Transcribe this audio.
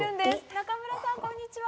仲村さんこんにちは！